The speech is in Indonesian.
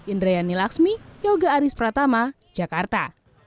indrayani laksmi yoga aris pratama jakarta